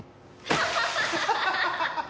ハハハハハ！